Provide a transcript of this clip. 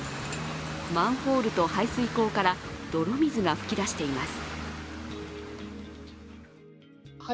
マンホールと排水溝から泥水が噴き出しています。